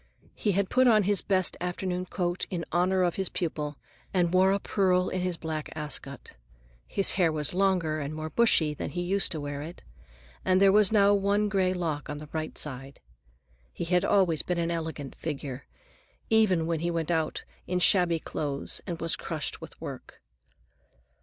He had put on his best afternoon coat in honor of his pupil, and wore a pearl in his black ascot. His hair was longer and more bushy than he used to wear it, and there was now one gray lock on the right side. He had always been an elegant figure, even when he went about in shabby clothes and was crushed with work.